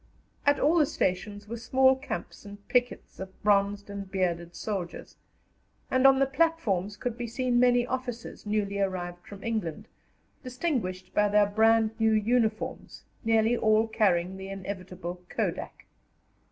At all the stations were small camps and pickets of bronzed and bearded soldiers, and on the platforms could be seen many officers newly arrived from England, distinguished by their brand new uniforms, nearly all carrying the inevitable Kodak.